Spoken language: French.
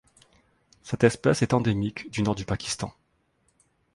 Cette espèce est endémique du Nord du Pakistan.